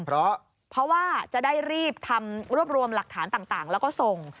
เพราะว่าจะได้รีบทำรวบรวมหลักฐานต่างแล้วก็ส่ง